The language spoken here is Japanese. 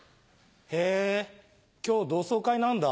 へぇ今日同窓会なんだ。